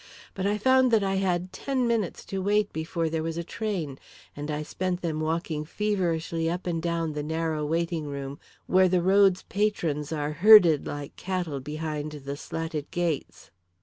But I found that I had ten minutes to wait before there was a train, and I spent them walking feverishly up and down the narrow waiting room, where the road's patrons are herded like cattle behind the slatted gates.